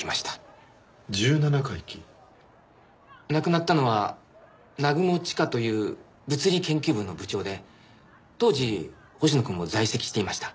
亡くなったのは南雲千佳という物理研究部の部長で当時星野くんも在籍していました。